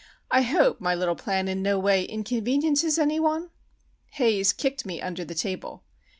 I hope my little plan in no way inconveniences any one?" Haze kicked me under the table.